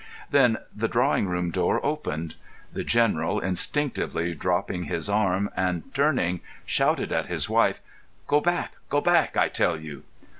Then the drawing room door opened. The General, instinctively dropping his arm and turning, shouted at his wife: "Go back! Go back, I tell you!"